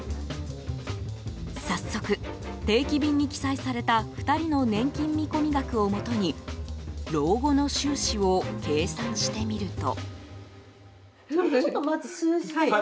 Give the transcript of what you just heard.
早速、定期便に記載された２人の年金見込み額をもとに老後の収支を計算してみると。